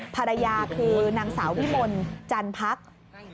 ภรรยาคือนางสาววิมลจันพัก